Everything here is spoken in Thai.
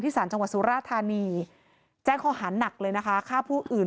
สารจังหวัดสุราธานีแจ้งข้อหาหนักเลยนะคะฆ่าผู้อื่น